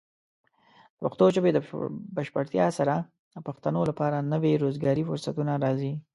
د پښتو ژبې د بشپړتیا سره، د پښتنو لپاره نوي روزګاري فرصتونه راځي.